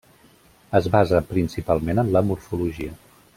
Es basa principalment en la morfologia.